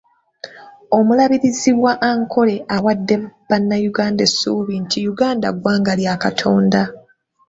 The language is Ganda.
Omulabirizi wa Ankole awadde Bannayuganda essuubi nti Uganda ggwanga lya Katonda.